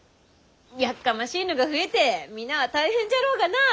やっかましいのが増えて皆は大変じゃろうがなあ！